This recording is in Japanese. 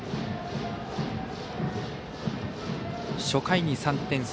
初回に３点。